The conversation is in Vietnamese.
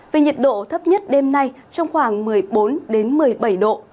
về nhiệt độ thấp nhất đêm nay trong khoảng một mươi bốn một mươi bảy độ